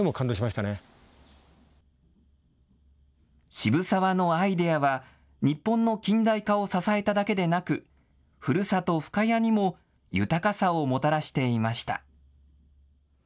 渋沢のアイデアは日本の近代化を支えただけでなく、ふるさと深谷にも豊かさをもたらしていました。